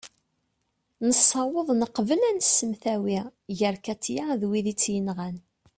nessaweḍ neqbel ad nsemtawi gar katia d wid i tt-yenɣan